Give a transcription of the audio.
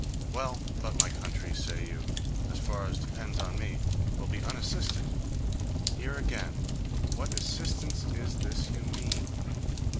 Well, but my country, say you, as far as depends on me, will be unassisted. Here again, what assistance is this you mean?